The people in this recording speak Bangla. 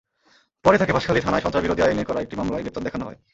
পরে তাঁকে বাঁশখালী থানায় সন্ত্রাসবিরোধী আইনে করা একটি মামলায় গ্রেপ্তার দেখানো হয়।